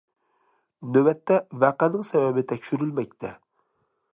نۆۋەتتە، ۋەقەنىڭ سەۋەبى تەكشۈرۈلمەكتە.